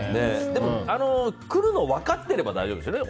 でも来るの分かってれば大丈夫ですよね。